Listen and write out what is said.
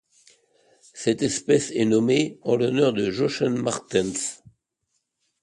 Cette espèce est nommée en l'honneur de Jochen Martens.